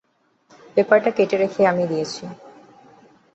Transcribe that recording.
পেপারটা কেটে রেখে দিয়েছি আমি।